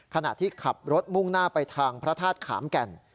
ขณะที่ขับรถมุ่งหน้าไปทางพระธาตุขามแก่น